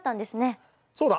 そうだ。